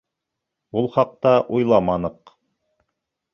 Ул хаҡта уйламаныҡ.